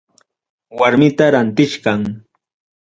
Warmita rantichkan.